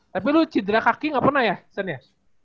tapi lu cedera kaki gak pernah ya sen ya